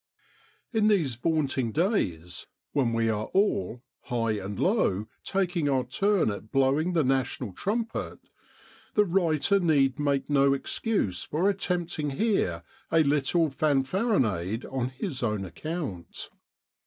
In these vaunting days, when we are all, high and low, taking our turn at blowing the National Trumpet, the writer need make no excuse for attempting here a little fanfaronade on his own account.